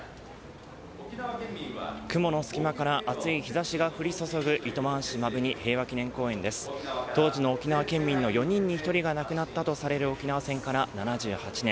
雲の隙間から暑い日差しが降り注ぐ糸満市摩文仁、平和祈念公園です当時の沖縄県民の４人に１人が亡くなったとされる沖縄戦から７８年。